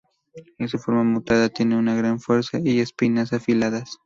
En su forma mutada, tiene una gran fuerza y espinas afiladas.